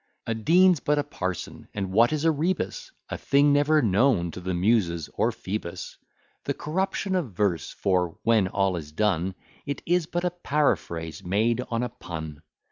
A dean's but a parson: and what is a rebus? A thing never known to the Muses or Phoebus. The corruption of verse; for, when all is done, It is but a paraphrase made on a pun.